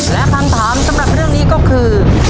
และคำถามสำหรับเรื่องนี้ก็คือ